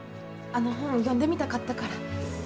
あの本読んでみたかったから。